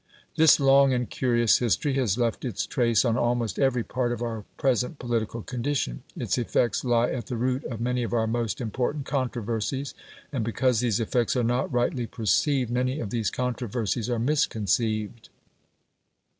This long and curious history has left its trace on almost every part of our present political condition; its effects lie at the root of many of our most important controversies; and because these effects are not rightly perceived, many of these controversies are misconceived.